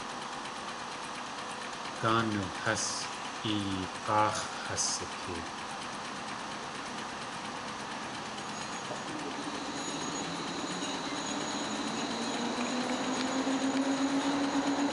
Gáanu hás, i yeeg̲áax̲ has sitee.